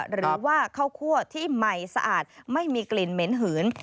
หรือว่าข้าวคั่วที่ใหม่สะอาดไม่มีกลิ่นเหม็นหืน